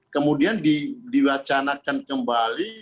kemudian diwacanakan kembali